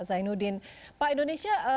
zainuddin pak indonesia